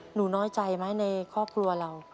หนูน้อยใจไหมในครอบครัวเรา